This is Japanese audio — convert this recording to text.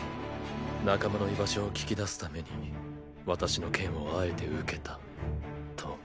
仲間の居場所を聞き出すために私の剣をあえて受けたと。